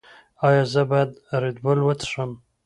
ایا زه باید ردبول وڅښم؟